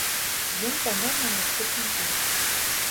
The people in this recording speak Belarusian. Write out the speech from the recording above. Ён памёр на наступны дзень.